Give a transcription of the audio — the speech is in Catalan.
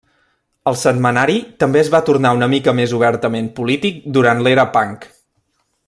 El setmanari també es va tornar una mica més obertament polític durant l'era punk.